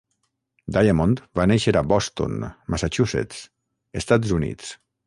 Diamond va néixer a Boston, Massachusetts, Estats Units.